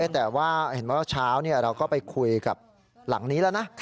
แต่ว่าเห็นว่าเช้าเราก็ไปคุยกับหลังนี้แล้วนะ